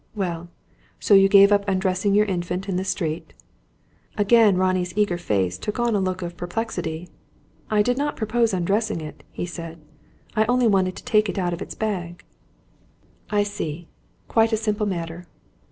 Well? So you gave up undressing your Infant in the street?" Again Ronnie's eager face took on a look of perplexity. "I did not propose undressing it," he said. "I only wanted to take it out of its bag." "I see. Quite a simple matter.